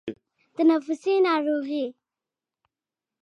تنفسي ناروغۍ